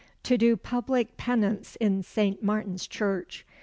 To do public penance in Saint Martin's Church.